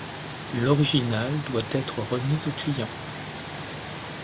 L'original doit être remis au client.